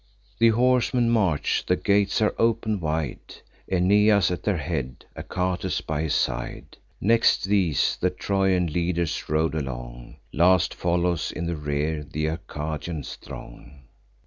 The horsemen march; the gates are open'd wide; Aeneas at their head, Achates by his side. Next these, the Trojan leaders rode along; Last follows in the rear th' Arcadian throng.